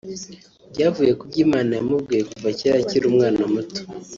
byavuye ku byo Imana yamubwiye kuva kera akiri umwana muto